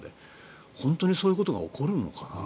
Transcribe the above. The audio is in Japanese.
本当にそういうことが起こるのかな。